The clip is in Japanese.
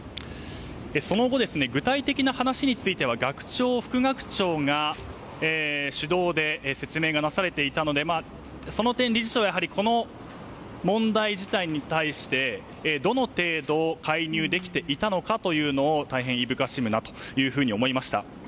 その後、具体的な話については学長、副学長が主導で説明がなされていたのでその点、理事長はこの問題自体に対してどの程度、介入できていたか大変いぶかしむなと思いました。